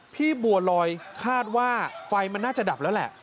บัวลอยคาดว่าไฟมันน่าจะดับแล้วแหละ